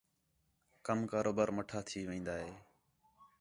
کم کاروبار مَٹّھا تھی وین٘دا ہِے